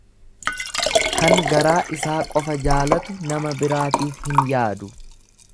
Kan garaa isaa qofa jaalatu nama biraatiif hin yaadu.